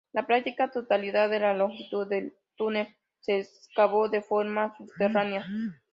La práctica totalidad de la longitud del túnel se excavó de forma subterránea.